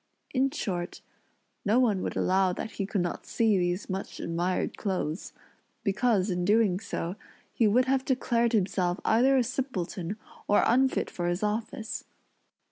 in short, no one would allow that he could not see these much admired clothes; because, in doing so, he would have declared himself either a simpleton or unfit for his office.